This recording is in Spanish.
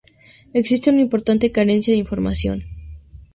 Existe una importante carencia de información.